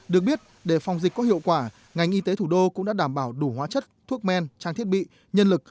được biết để phòng dịch có hiệu quả ngành y tế thủ đô cũng đã đảm bảo đủ hóa chất thuốc men trang thiết bị nhân lực